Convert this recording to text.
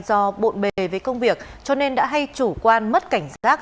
do bộn bề với công việc cho nên đã hay chủ quan mất cảnh giác